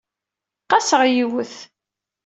Qaseɣ yiwet.